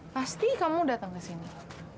pasti kamu datang ke sini